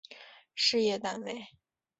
事业单位